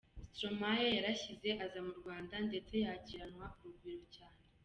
Stromae yarashyize aza mu Rwanda ndetse yakiranwa urugwiro cyane.